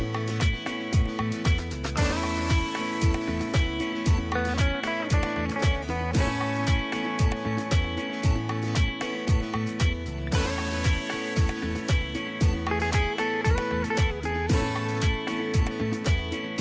โปรดติดตามตอนต่อไป